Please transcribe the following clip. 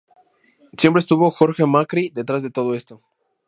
Siempre estuvo Jorge Macri detrás de todo esto.